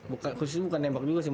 bukan khususnya nembak juga sih